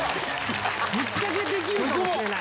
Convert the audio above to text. ぶっちゃけできるかもしれない。